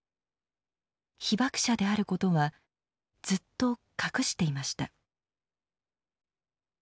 被爆者であることはずっと隠していました。